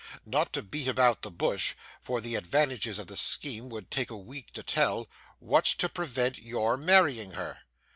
Not to beat about the bush (for the advantages of the scheme would take a week to tell) what's to prevent your marrying her?